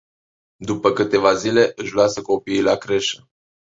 După câteva zile, își lasă copiii la creșă.